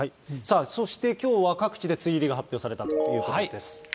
そして、きょうは各地で梅雨入りが発表されたということです。